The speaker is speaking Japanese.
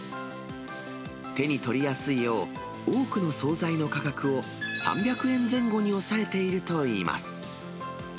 手に取りやすいよう、多くの総菜の価格を３００円前後に抑えているといいます。